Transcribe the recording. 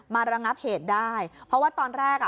ระงับเหตุได้เพราะว่าตอนแรกอ่ะ